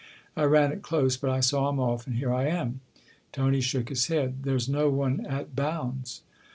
I ran it close, but I saw him off; and here I am." Tony shook his head. " There's no one at Bounds."